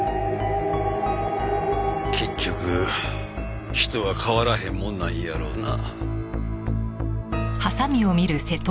結局人は変わらへんもんなんやろうな。